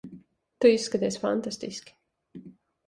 Tu izskaties fantastiski.